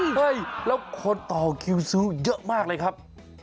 เฮ้ยแล้วคนต่อคิวซื้อเยอะมากเลยครับ